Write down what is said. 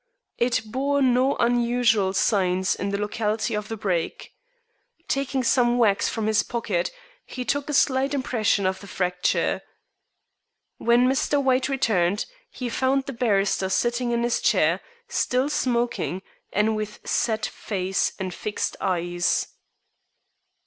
It bore no unusual signs in the locality of the break. Taking some wax from his pocket, he took a slight impression of the fracture. When Mr. White returned, he found the barrister sitting in his chair, still smoking, and with set face and fixed eyes.